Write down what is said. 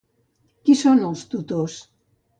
Qui són els tutors?